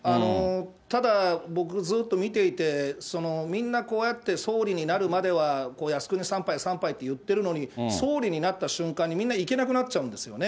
ただ、僕、ずっと見ていて、みんなこうやって総理になるまでは、靖国参拝参拝って言ってるのに、総理になった瞬間にみんな行けなくなっちゃうんですよね。